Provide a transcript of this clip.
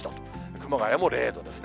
熊谷も０度ですね。